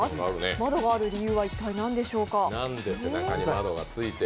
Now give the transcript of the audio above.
窓がある理由は一体、何でしょうか？